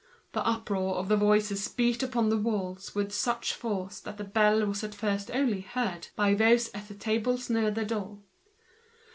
The uproar of the voices beat on the walls with such force that the bell was at first only heard by those at the tables near the door.